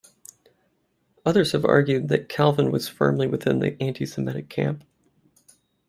Others have argued that Calvin was firmly within the anti-semitic camp.